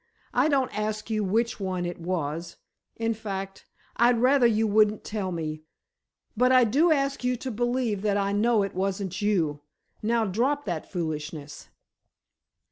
I don't ask you which one it was—in fact, I'd rather you wouldn't tell me—but I do ask you to believe that I know it wasn't you. Now, drop that foolishness."